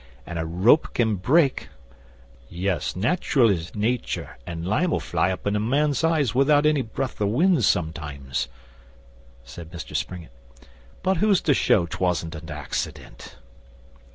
And a rope can break ' 'Yes, natural as nature; an' lime'll fly up in a man's eyes without any breath o' wind sometimes,' said Mr Springett. 'But who's to show 'twasn't a accident?